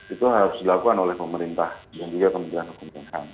itu harus dilakukan oleh pemerintah dan juga kementerian hukum dan ham